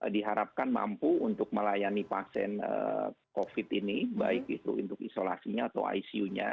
diharapkan mampu untuk melayani pasien covid ini baik itu untuk isolasinya atau icu nya